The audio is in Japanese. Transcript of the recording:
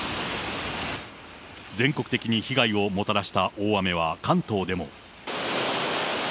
全国的に被害をもたらした大雨は関東でも。